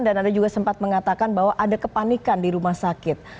dan anda juga sempat mengatakan bahwa ada kepanikan di rumah sakit